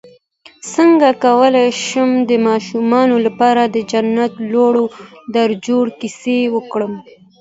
څنګه کولی شم د ماشومانو لپاره د جنت لوړو درجو کیسه وکړم